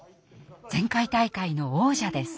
前回大会の王者です。